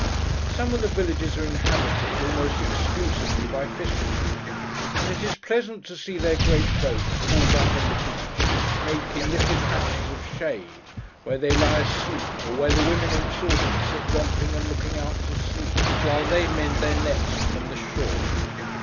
Some of the villages are inhabited, almost exclusively, by fishermen; and it is pleasant to see their great boats hauled up on the beach, making little patches of shade, where they lie asleep, or where the women and children sit romping and looking out to sea, while they mend their nets upon the shore.